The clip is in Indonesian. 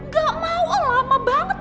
gak mau lama banget